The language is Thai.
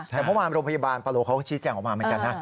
แต่เมื่อวานโรงพยาบาลปาโลเขาก็ชี้แจงออกมาเหมือนกันนะ